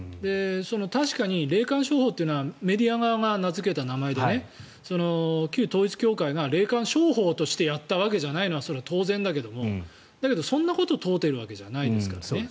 確かに霊感商法というのはメディア側が名付けた名前で旧統一教会が霊感商法としてやったわけじゃないのはそれは当然だけれどもだけどそんなことを問うているわけではないですからね。